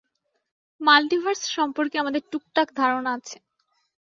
Multiverse সম্পর্কে আমাদের টুকটাক ধারণা আছে।